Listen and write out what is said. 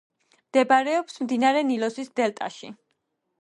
მდებარეობს მდინარე ნილოსის დელტაში.